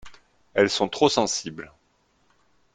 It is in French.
Elles sont trop sensibles.